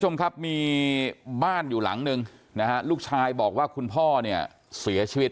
คุณผู้ชมครับมีบ้านอยู่หลังหนึ่งนะฮะลูกชายบอกว่าคุณพ่อเนี่ยเสียชีวิต